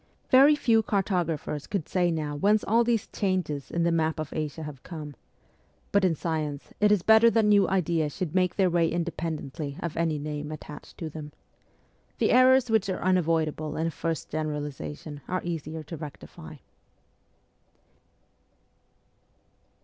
Very few carto graphers could say now whence all these changes in the map of Asia have come ; but in science it is better that new ideas should make their way independently of any name attached to them. The errors which are unavoidable in a first generalization are easier to rectify.